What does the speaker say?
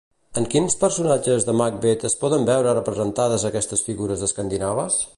En quins personatges de Macbeth es poden veure representades aquestes figures escandinaves?